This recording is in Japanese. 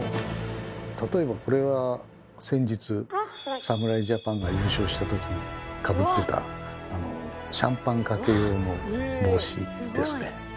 例えばこれは先日侍ジャパンが優勝した時にかぶってたシャンパンかけ用の帽子ですね。